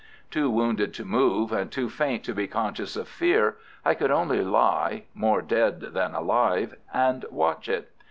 Too wounded to move, and too faint to be conscious of fear, I could only lie, more dead than alive, and watch it.